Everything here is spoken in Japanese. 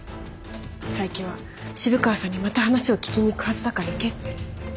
佐伯は渋川さんにまた話を聞きに行くはずだから行けって。